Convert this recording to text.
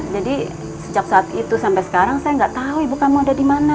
jadi sejak saat itu sampai sekarang saya gak tahu ibu kamu ada di mana